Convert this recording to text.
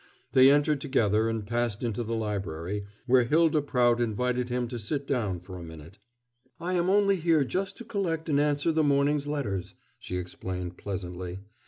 They entered together and passed into the library, where Hylda Prout invited him to sit down for a minute. "I am only here just to collect and answer the morning's letters," she explained pleasantly.